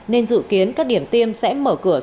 nên dự kiến các điểm tiêm sẽ mở cửa